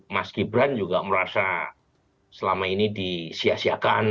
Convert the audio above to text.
mas gibran juga merasa selama ini disiasiakan